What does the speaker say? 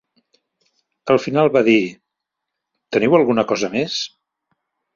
Al final, va dir: "Teniu alguna cosa més?".